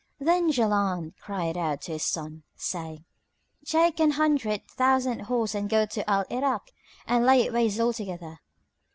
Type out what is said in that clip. Then Jaland cried aloud to his son, saying, "Take an hundred thousand horse and go to Al Irak and lay it waste altogether."